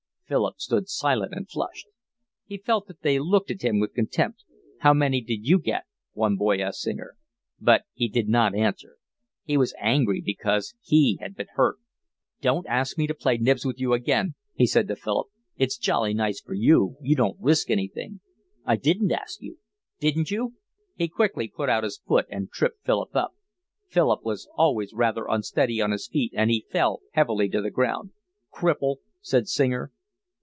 Philip stood silent and flushed. He felt that they looked at him with contempt. "How many did you get?" one boy asked Singer. But he did not answer. He was angry because he had been hurt "Don't ask me to play Nibs with you again," he said to Philip. "It's jolly nice for you. You don't risk anything." "I didn't ask you." "Didn't you!" He quickly put out his foot and tripped Philip up. Philip was always rather unsteady on his feet, and he fell heavily to the ground. "Cripple," said Singer.